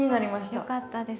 よかったです。